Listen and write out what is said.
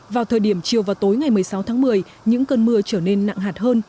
vào thời điểm chiều và tối ngày một mươi sáu tháng một mươi những cơn mưa trở nên nặng hạt hơn